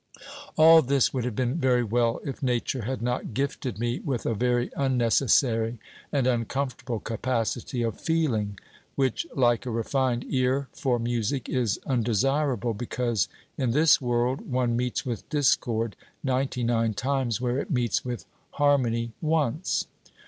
All this would have been very well if nature had not gifted me with a very unnecessary and uncomfortable capacity of feeling, which, like a refined ear for music, is undesirable, because, in this world, one meets with discord ninety nine times where it meets with harmony once.